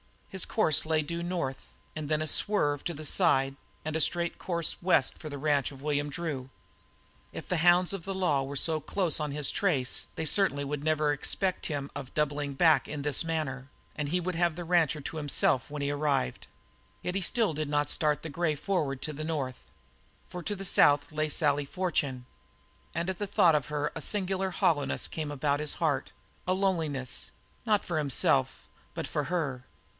His course lay due north, and then a swerve to the side and a straight course west for the ranch of William Drew. If the hounds of the law were so close on his trace, they certainly would never suspect him of doubling back in this manner, and he would have the rancher to himself when he arrived. Yet still he did not start the grey forward to the north. For to the south lay Sally Fortune, and at the thought of her a singular hollowness came about his heart, a loneliness, not for himself, but for her.